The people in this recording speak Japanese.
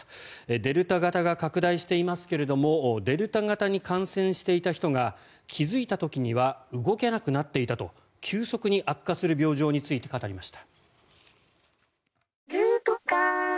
デルタ型が拡大していますがデルタ型に感染していた人が気付いた時には動けなくなっていたと急速に悪化する病状について語りました。